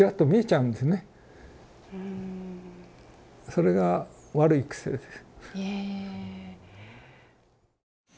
それが悪い癖です。